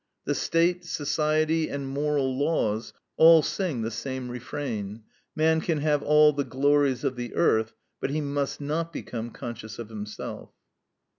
The State, society, and moral laws all sing the same refrain: Man can have all the glories of the earth, but he must not become conscious of himself.